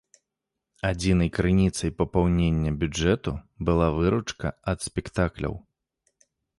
Адзінай крыніцай папаўнення бюджэту была выручка ад спектакляў.